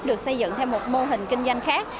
được xây dựng theo một mô hình kinh doanh khác